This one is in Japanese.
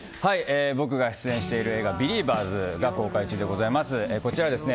僕が出演している映画「ビリーバーズ」が公開中でございます。